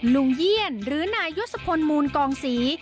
เยี่ยนหรือนายยศพลมูลกองศรี